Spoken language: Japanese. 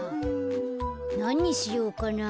なんにしようかな？